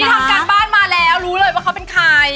ทำการบ้านมาแล้วรู้เลยว่าเขาเป็นใคร